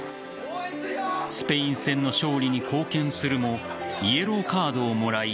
スペイン戦の勝利に貢献するもイエローカードをもらい